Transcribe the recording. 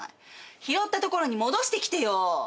拾った所に戻してきてよ。